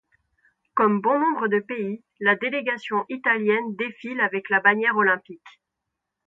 Comme bon nombre de pays, la délégation italienne défile avec la bannière olympique.